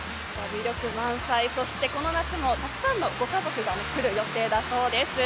魅力満載、そしてこの夏もたくさんのご家族が来る予定だそうです。